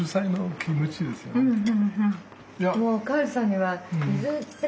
うん！